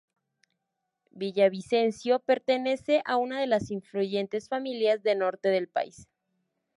Villavicencio pertenece a una de las influyentes familias de norte del país.